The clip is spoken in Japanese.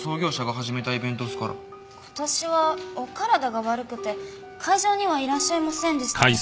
今年はお体が悪くて会場にはいらっしゃいませんでしたけど。